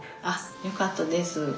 あっよかったです。